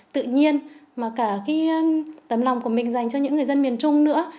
tự nhiên mà cả tấm lòng của mình dành cho những người dân miền trung nữa